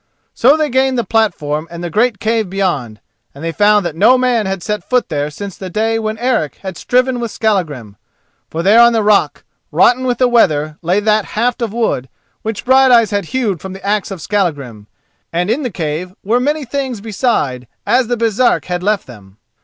So they gained the platform and the great cave beyond; and they found that no man had set foot there since the day when Eric had striven with Skallagrim. For there on the rock, rotten with the weather, lay that haft of wood which Brighteyes had hewed from the axe of Skallagrim, and in the cave were many things beside as the Baresark had left them.